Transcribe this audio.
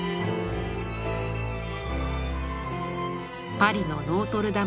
パリのノートルダム